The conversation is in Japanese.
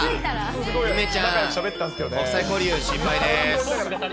梅ちゃん、国際交流失敗です。